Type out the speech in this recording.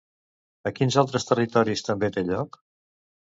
A quins altres territoris també té lloc?